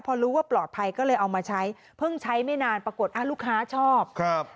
พอรู้ว่าปลอดภัยก็เลยเอามาใช้เพิ่งใช้ไม่นานปรากฏอ่ะลูกค้าชอบครับ